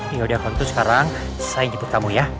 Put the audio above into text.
yaudah kalau gitu sekarang saya jemput kamu ya